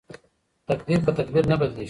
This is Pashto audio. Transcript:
تقدیر په تدبیر نه بدلیږي.